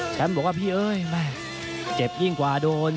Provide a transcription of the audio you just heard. บอกว่าพี่เอ้ยแม่เจ็บยิ่งกว่าโดน